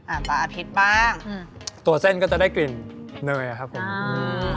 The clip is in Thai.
อ่าตาผิดบ้างอืมตัวเส้นก็จะได้กลิ่นเนยครับผมอ่า